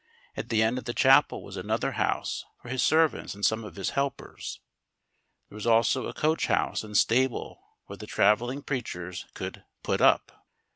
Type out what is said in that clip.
At the end of the chapel was another house for his servants and some of his helpers. There was also a coach house and stable where the travelling preachers could "put up."